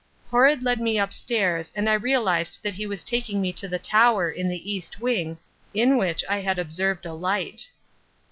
Horrod led me upstairs and I realized that he was taking me to the tower in the east wing, in which I had observed a light.